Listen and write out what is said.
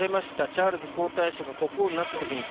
チャールズ皇太子が国王になった時に